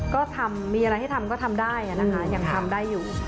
ก็ทำมีอะไรให้ทำก็ทำได้นะคะยังทำได้อยู่